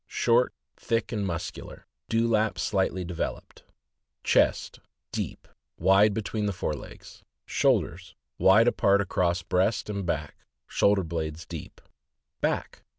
— Short, thick, and muscular; dewlap slightly developed. Chest. — Deep, wide between fore legs. Shoulders.— Wide apart across breast and back; shoul der blades deep. Back.